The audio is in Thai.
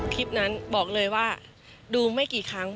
คลิปนั้นบอกเลยว่าดูไม่กี่ครั้ง